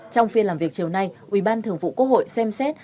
trong phiên làm việc chiều nay ủy ban thường vụ quốc hội xem xét